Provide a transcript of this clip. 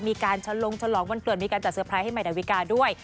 มีการชะลงฉลองวันเกิดมีการจัดเตอร์ไพรส์ให้ใหม่ดาวิกาด้วย